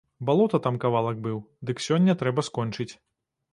Балота там кавалак быў, дык сёння трэба скончыць.